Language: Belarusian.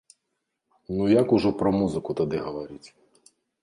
Ну як ужо пра музыку тады гаварыць?